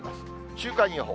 週間予報。